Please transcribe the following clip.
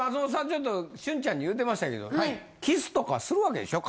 ちょっと俊ちゃんに言うてましたけどキスとかするわけでしょ？